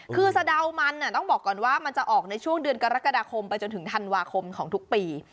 คือสะดาวมันต้องบอกก่อนว่ามันจะออกในช่วงเดือนกรกฎาคมไปจนถึงธันวาคมของทุกปี